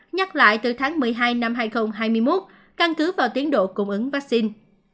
nhắc lại từ tháng một mươi hai năm hai nghìn hai mươi một căn cứ vào tiến độ cung ứng vaccine